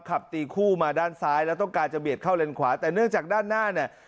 ขับตีคู่มาด้านซ้ายแล้วต้องการจะเบียดเข้าเลนขวาแต่เนื่องจากด้านหน้าเนี่ย